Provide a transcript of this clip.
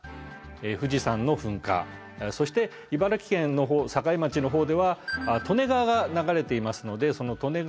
富士山の噴火そして茨城県の境町の方では利根川が流れていますのでその利根川